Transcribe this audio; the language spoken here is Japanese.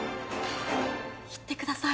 行ってください